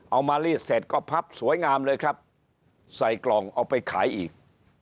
เอามารีดเสร็จก็พับสวยงามเลยครับใส่กล่องเอาไปขายอีก